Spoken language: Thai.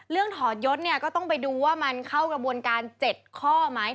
ถอดยศเนี่ยก็ต้องไปดูว่ามันเข้ากระบวนการ๗ข้อไหม